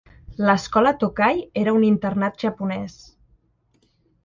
L'escola Tokai era un internat japonès.